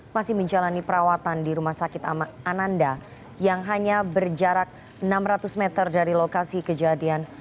masih menjalani perawatan di rumah sakit ananda yang hanya berjarak enam ratus meter dari lokasi kejadian